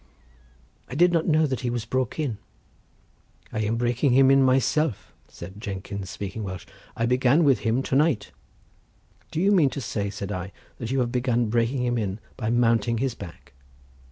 "I did not know that he was broke in." "I am breaking him in myself," said Jenkins, speaking Welsh. "I began with him to night." "Do you mean to say," said I, "that you have begun breaking him in by mounting his back?"